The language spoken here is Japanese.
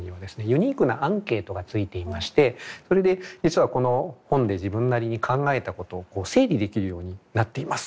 ユニークなアンケートが付いていましてそれで実はこの本で自分なりに考えたことを整理できるようになっています。